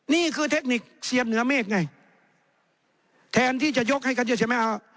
เทคนิคเซียนเหนือเมฆไงแทนที่จะยกให้กันเยอะใช่ไหม